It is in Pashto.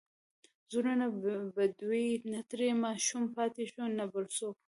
زړونه بدوي، نه ترې ماشوم پاتې شو، نه بل څوک.